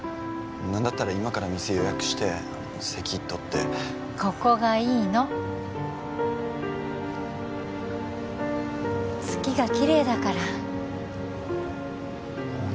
何だったら今から店予約して席取ってここがいいの月がキレイだからあっ